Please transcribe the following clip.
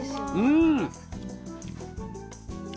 うん。